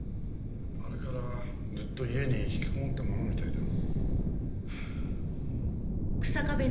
あれからずっと家にひきこもったままみたいだ。